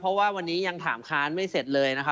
เพราะว่าวันนี้ยังถามค้านไม่เสร็จเลยนะคะ